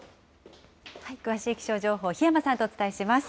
詳しい気象情報、檜山さんとお伝えします。